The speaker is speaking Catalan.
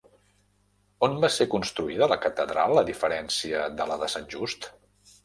On va ser construïda la catedral a diferència de la de Sant Just?